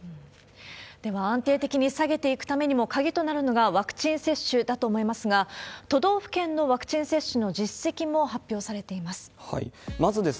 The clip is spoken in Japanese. では、安定的に下げていくためにも、鍵となるのがワクチン接種だと思いますが、都道府県のワクチン接種の実績も発表されています。